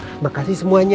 terima kasih semuanya